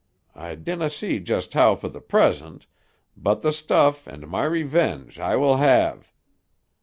I dinna see just how for the present. But the stuff, and my revenge I will have.